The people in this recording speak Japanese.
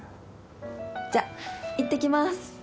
じゃいってきます。